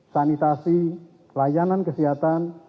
sanitasi layanan kesehatan